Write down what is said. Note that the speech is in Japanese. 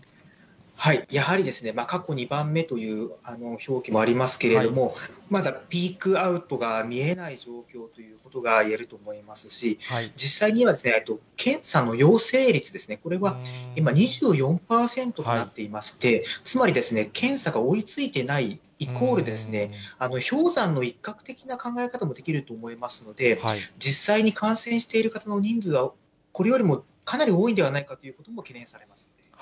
やはりですね、過去２番目という表記もありますけれども、まだピークアウトが見えない状況ということがいえると思いますし、実際には検査の陽性率ですね、これは今、２４％となっていまして、つまりですね、検査が追いついていないイコール氷山の一角的な考え方もできると思いますので、実際に感染している方の人数はこれよりもかなり多いんではないかということも懸念されますね。